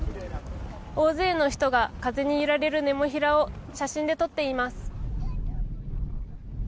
大勢の人が風に揺られるネモフィラを写真で撮っています。